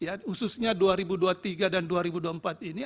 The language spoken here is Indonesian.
khususnya dua ribu dua puluh tiga dan dua ribu dua puluh empat ini